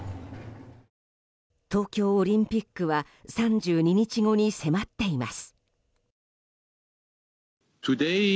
東京オリンピックは３３日後に迫っています。